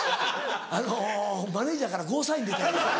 あのマネジャーからゴーサイン出てるから。